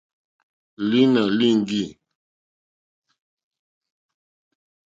Lǐnà líŋɡî.